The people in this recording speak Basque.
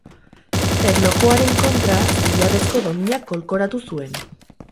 Erlojuaren kontra zilarrezko domina kolkoratu zuen.